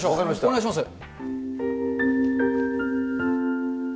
お願いします。